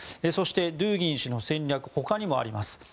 そして、ドゥーギン氏の戦略ほかにもあります。